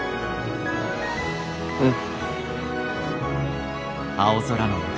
うん。